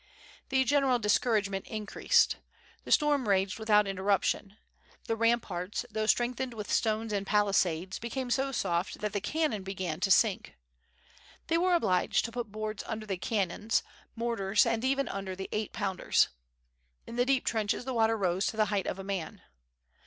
The general dis couragement increased. The storm raged without interrup tion. The ramparts, though strengthened with stones and WITH FIRE AND SWORD. 689 palisades^ became so soft that the cannon began to sink. They were obliged to put boards under the cannons, mortars, and even under the eight pounders. In the deep trenches the water rose to the height of a man.